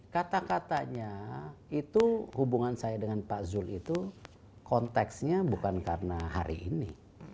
kata katanya itu hubungan saya dengan pak zul itu konteksnya bukan karena hari ini